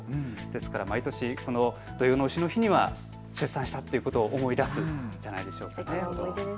毎年土用のうしの日には出産したということを思い出すんじゃないでしょうかね。